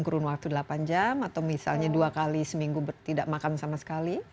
kurun waktu delapan jam atau misalnya dua kali seminggu tidak makan sama sekali